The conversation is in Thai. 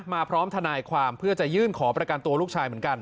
พร้อมทนายความเพื่อจะยื่นขอประกันตัวลูกชายเหมือนกัน